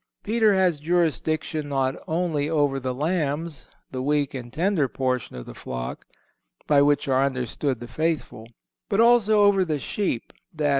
Peter has jurisdiction not only over the lambs—the weak and tender portion of the flock—by which are understood the faithful; but also over the sheep, _i.